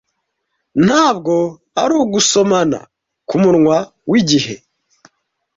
ntabwo ari ugusomana kumunwa wigihe